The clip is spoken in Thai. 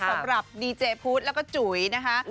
สำหรับดีเจพุทธแล้วก็จุ๋ยนะคะ